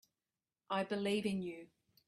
I believe in you.